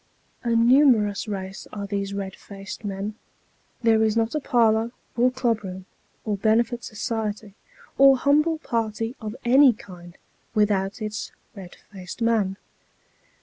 A numerous race are these red faced men ; there is not a parlour, or club room, or benefit society, or humble party of any kind, without its red faced man.